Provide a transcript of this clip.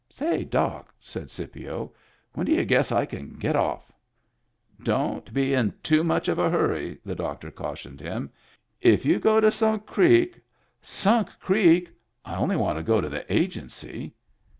" Say, doc," said Scipio, " when d' y'u guess I can get off ?" "Don't be in too much of a hurry," the doctor cautioned him. " If you go to Sunk Creek —"" Sunk Creek ! I only want • to go to the Agency."